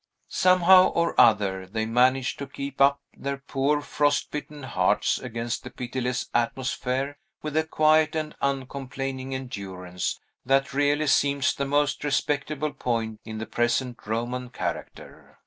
Somehow or other, they managed to keep up their poor, frost bitten hearts against the pitiless atmosphere with a quiet and uncomplaining endurance that really seems the most respectable point in the present Roman character.